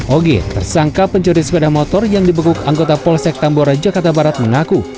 oge tersangka pencuri sepeda motor yang dibekuk anggota polsek tambora jakarta barat mengaku